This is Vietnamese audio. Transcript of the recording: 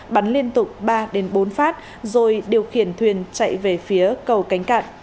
bắn liên tục ba bốn phát rồi điều khiển thuyền chạy về phía cầu cánh cạn